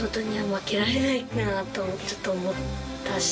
ちょっと思ったし。